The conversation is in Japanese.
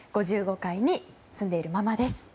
５５階に住んでいるままです。